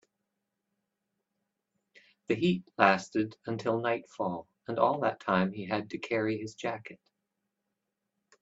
The heat lasted until nightfall, and all that time he had to carry his jacket.